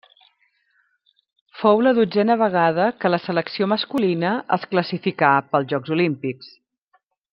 Fou la dotzena vegada que la selecció masculina es classificà pels Jocs Olímpics.